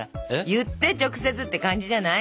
言って直接って感じじゃない？